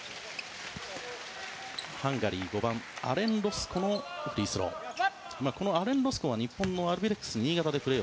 ハンガリー、５番アレン・ロスコのフリースロー。